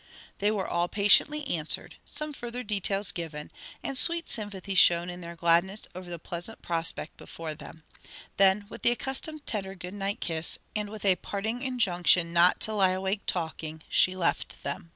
They were all patiently answered, some further details given, and sweet sympathy shown in their gladness over the pleasant prospect before them; then with the accustomed tender good night kiss, and with a parting injunction not to lie awake talking, she left them.